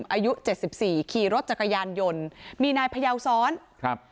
อายุเจ็ดสิบสี่ขี่รถจักรยานยนต์มีนายพยาวซ้อนครับ